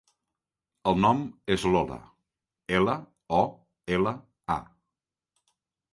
El nom és Lola: ela, o, ela, a.